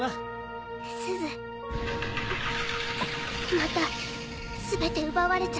また全て奪われちゃう。